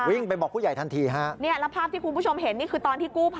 วิ่งไปบอกผู้ใหญ่ทันทีนี่ภาพที่คุณผู้ชมเห็นนี่คือตอนที่กู้ไพน่ะ